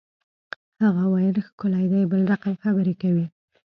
هغه ویل ښکلی دی بل رقم خبرې کوي